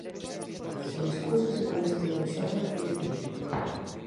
Sen escusas e cun estilo de xogo recoñecible.